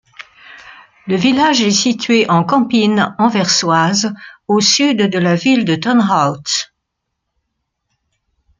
Le village est situé en Campine anversoise, au sud de la ville de Turnhout.